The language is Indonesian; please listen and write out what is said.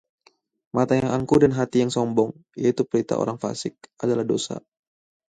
Mata yang angkuh dan hati yang sombong, yaitu pelita orang fasik, adalah dosa.